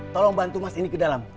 tolong bantu mas ini ke dalam